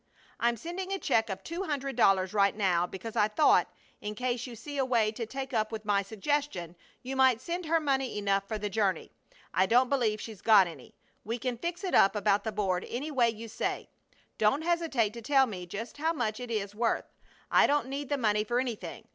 I'm sending a check of two hundred dollars right now because I thought, in case you see a way to take up with my suggestion, you might send her money enough for the journey. I don't believe she's got any. We can fix it up about the board any way you say. Don't hesitate to tell me just how much it is worth. I don't need the money for anything.